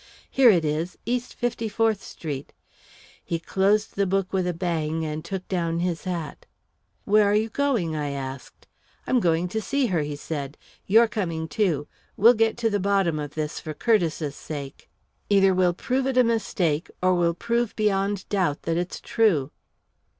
"Here it is East Fifty fourth Street." He closed the book with a bang and took down his hat. "Where are you going?" I asked. "I'm going to see her," he said. "You're coming, too. We'll get to the bottom of this, for Curtiss's sake. Either we'll prove it a mistake, or we'll prove beyond doubt that it's true."